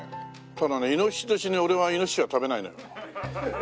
ただね亥年に俺はイノシシは食べないのよ。